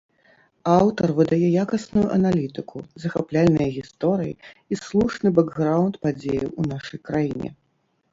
Аўтар выдае якасную аналітыку, захапляльныя гісторыі і слушны бэкграўнд падзеяў у нашай краіне.